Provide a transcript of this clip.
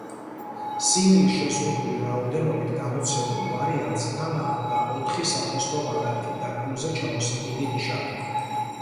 სინგლის შეზღუდული რაოდენობით გამოცემულ ვარიანტს თან ახლდა ოთხი საფოსტო ბარათი და გულზე ჩამოსაკიდი ნიშანი.